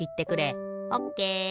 オッケー。